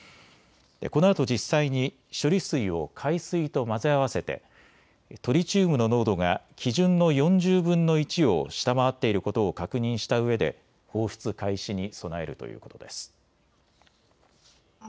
このあと実際に処理水を海水と混ぜ合わせてトリチウムの濃度が基準の４０分の１を下回っていることを確認したうえで放出開始に備えるということです。